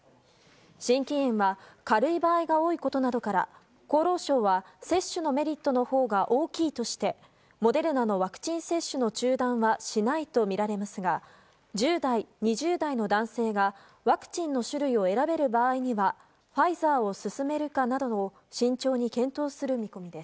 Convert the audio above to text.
心筋炎は軽い場合が多いことなどから厚労省は接種のメリットのほうが大きいとしてモデルナのワクチン接種の中断はしないとみられますが１０代、２０代の男性がワクチンの種類を選べる場合にはスポーツです。